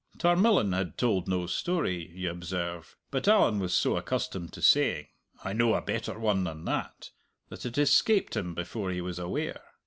Tarmillan had told no story, you observe, but Allan was so accustomed to saying "I know a better one than that," that it escaped him before he was aware.